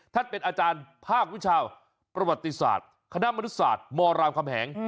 ท่านเป็นอาจารย์ภาควิชาประวัติศาสตร์คณะมนุษศาสตร์มรามคำแหง